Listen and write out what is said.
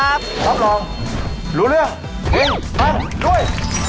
รับรองรู้เรื่องเฮงไปด้วย